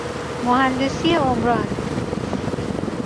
مهندسی عمران